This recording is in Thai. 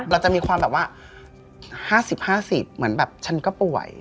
เราจะมีความแบบว่า๕๐๕๐เหมือนแบบฉันก็ป่วย